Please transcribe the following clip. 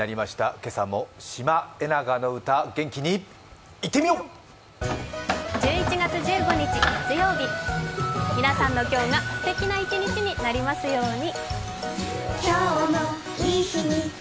今朝も「シマエナガの歌」１１月１５日、月曜日、皆さんの今日がすてきな一日になりますように。